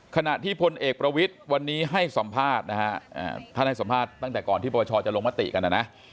ขณะที่พลเอกประวิทย์วันนี้ให้สัมภาษณ์นะฮะท่านให้สัมภาษณ์ตั้งแต่ก่อนที่ปปชจะลงมติกันนะนะ